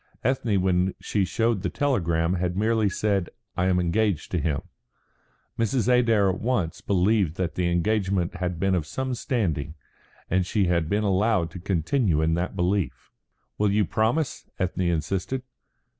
Ethne, when she showed the telegram, had merely said, "I am engaged to him." Mrs. Adair at once believed that the engagement had been of some standing, and she had been allowed to continue in that belief. "You will promise?" Ethne insisted.